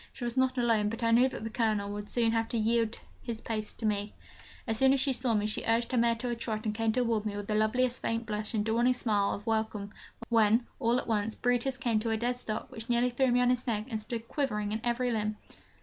She was not alone, but I knew that the Colonel would soon have to yield his place to me. As soon as she saw me, she urged her mare to a trot, and came towards me with the loveliest faint blush and dawning smile of welcome, when, all at once, Brutus came to a dead stop, which nearly threw me on his neck, and stood quivering in every limb.